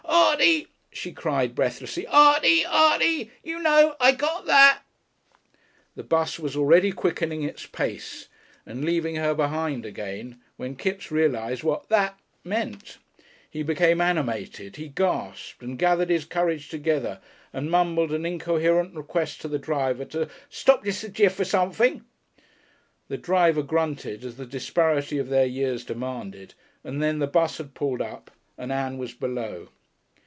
"Artie!" she cried breathlessly, "Artie! Artie! You know! I got that!" The bus was already quickening its pace, and leaving her behind again, when Kipps realized what "that" meant. He became animated, he gasped, and gathered his courage together, and mumbled an incoherent request to the driver to "stop jest a jiff for sunthin'." The driver grunted, as the disparity of their years demanded, and then the bus had pulled up, and Ann was below.